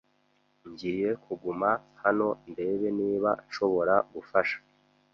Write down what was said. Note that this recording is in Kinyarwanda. Ngiye kuguma hano ndebe niba nshobora gufasha.